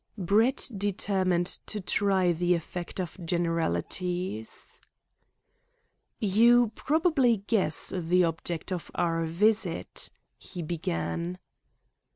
Brett determined to try the effect of generalities. "You probably guess the object of our visit?" he began.